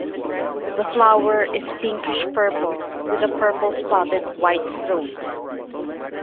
The flower is pinkish-purple with a purple-spotted white throat.